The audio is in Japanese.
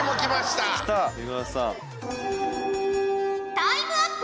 タイムアップ！